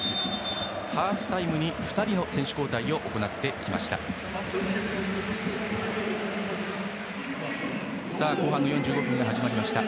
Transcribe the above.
ハーフタイムに２人の選手交代を行ってきました。